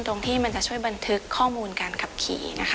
ตรงที่มันจะช่วยบันทึกข้อมูลการขับขี่นะคะ